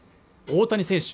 大谷選手